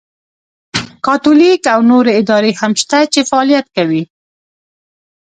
کاتولیک او نورې ادارې هم شته چې فعالیت کوي.